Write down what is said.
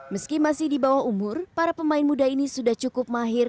meski masih di bawah umur para pemain muda ini sudah cukup mahir